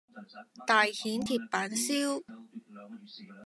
大蜆鐵板燒